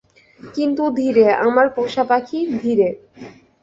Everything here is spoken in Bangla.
কিন্তু ধীরে, আমার পোষা পাখি, ধীরে।